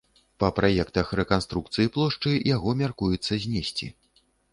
Па праектах рэканструкцыі плошчы яго мяркуецца знесці.